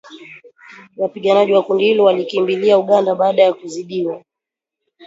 Wapiganaji wa kundi hilo walikimbilia Uganda baada ya kuzidiwa